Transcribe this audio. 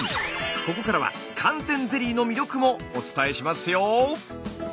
ここからは寒天ゼリーの魅力もお伝えしますよ。